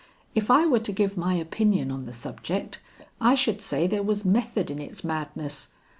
If I were to give my opinion on the subject, I should say there was method in its madness.